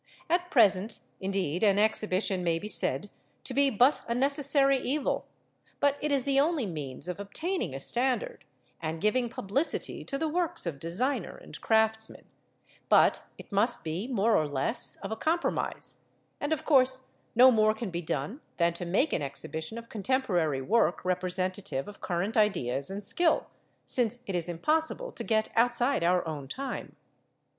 At present, indeed, an exhibition may be said to be but a necessary evil; but it is the only means of obtaining a standard, and giving publicity to the works of Designer and Craftsman; but it must be more or less of a compromise, and of course no more can be done than to make an exhibition of contemporary work representative of current ideas and skill, since it is impossible to get outside our own time.